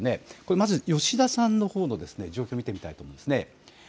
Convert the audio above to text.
まず吉田さんのほうの状況を見てみたいと思います。